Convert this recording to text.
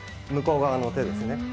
向こう側の手ですね。